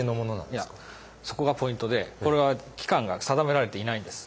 いやそこがポイントでこれは期間が定められてないんです。